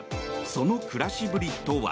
その暮らしぶりとは。